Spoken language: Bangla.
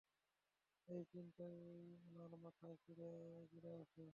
এই চিন্তাটায় উনার মাথায় গেঁড়ে আছে।